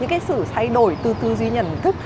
cái sự thay đổi từ tư duy nhận thức